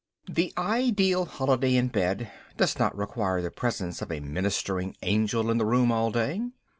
The ideal holiday in bed does not require the presence of a ministering angel in the room all day.